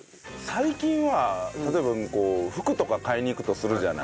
最近は例えば服とか買いに行くとするじゃない。